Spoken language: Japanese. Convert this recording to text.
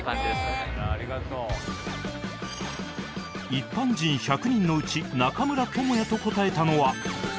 一般人１００人のうち「中村倫也」と答えたのは